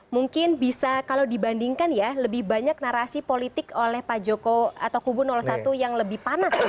mungkin bisa kalau dibandingkan ya lebih banyak narasi politik oleh pak joko atau kubu satu yang lebih panas